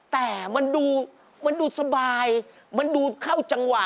แต่มันดูมันดูสบายมันดูเข้าจังหวะ